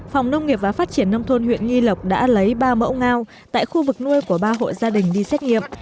phòng nông nghiệp và phát triển nông thôn huyện nghi lộc đã lấy ba mẫu ngao tại khu vực nuôi của ba hộ gia đình đi xét nghiệm